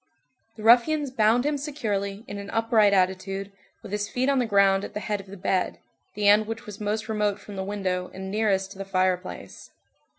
The ruffians bound him securely, in an upright attitude, with his feet on the ground at the head of the bed, the end which was most remote from the window, and nearest to the fireplace.